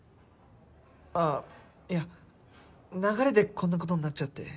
あぁいや流れでこんなことになっちゃって。